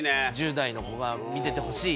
１０代の子が見ててほしい。